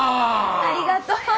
ありがとう。